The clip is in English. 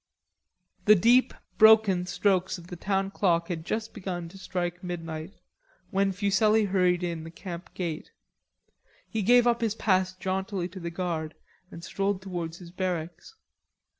The deep broken strokes of the town clock had just begun to strike midnight when Fuselli hurried in the camp gate. He gave up his pass jauntily to the guard and strolled towards his barracks.